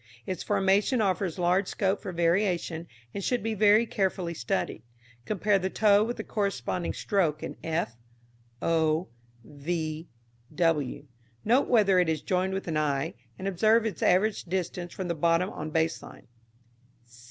Its formation offers large scope for variation, and should be very carefully studied. Compare the toe with the corresponding stroke in f, o, v, w. Note whether it is joined with an eye, and observe its average distance from the bottom on base line.